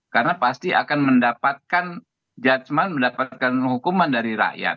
karena pasti akan mendapatkan judgement mendapatkan hukuman dari rakyat